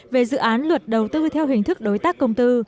về dự án luật đầu tư theo hình thức đối tác công tư